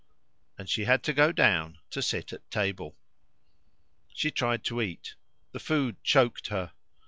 And she had to go down to sit at table. She tried to eat. The food choked her.